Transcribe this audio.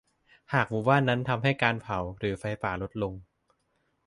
หากหมู่บ้านนั้นทำให้การเผา หรือ ไฟป่าลดลง